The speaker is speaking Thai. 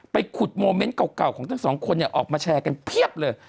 ไปขุดโมเม้นท์เก่าของทั้ง๒คนเนี่ยออกมาแชร์กันเพียบเลย